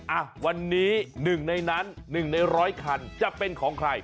อ่ะวันนี้๑ในนั้น๑ใน๑๐๐คันจะเป็นของใคร